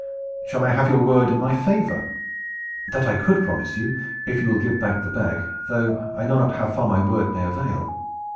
"Shall I have your word in my favor?" "That I could promise you, if you will give back the bag, though I know not how far my word may avail.